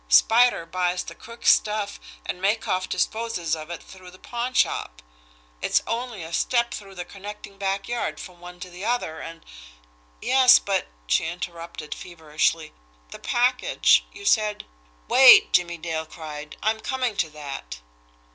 Spider buys the crooks' stuff, and Makoff disposes of it through the pawnshop it's only a step through the connecting back yard from one to the other, and " "Yes but," she interrupted feverishly, "the package you said " "Wait!" Jimmie Dale cried. "I'm coming to that!